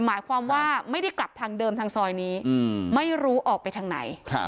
หมายความว่าไม่ได้กลับทางเดิมทางซอยนี้ไม่รู้ออกไปทางไหน